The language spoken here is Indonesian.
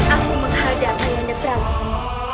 aku menghadap ayahnya tuhan